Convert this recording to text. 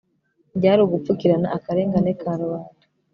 byari ugupfukirana akarengane ka rubanda